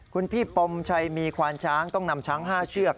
คุณพี่ปมชัยมีควานช้างต้องนำช้าง๕เชือก